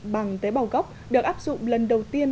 bằng tế bào gốc được áp dụng lần đầu tiên